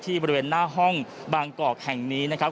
บริเวณหน้าห้องบางกอกแห่งนี้นะครับ